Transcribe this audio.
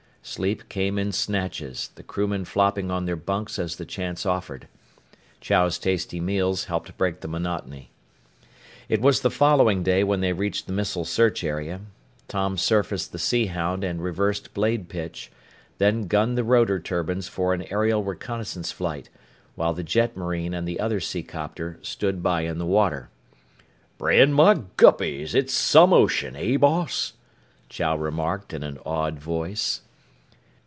Sleep came in snatches, the crewmen flopping on their bunks as the chance offered. Chow's tasty meals helped break the monotony. It was the following day when they reached the missile search area. Tom surfaced the Sea Hound and reversed blade pitch, then gunned the rotor turbines for an aerial reconnaissance flight, while the jetmarine and the other seacopter stood by in the water. "Brand my guppies, it's some ocean, eh, boss?" Chow remarked in an awed voice.